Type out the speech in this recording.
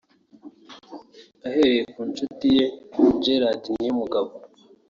ahereye ku nshuti ye Gerard Niyomugabo